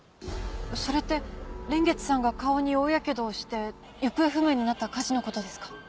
それって蓮月さんが顔に大ヤケドをして行方不明になった火事のことですか？